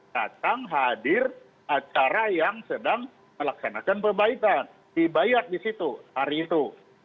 datang hadir acara yang sedang melaksanakan pembaikan di bayat di situ hari itu